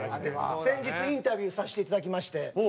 先日インタビューさせていただきまして。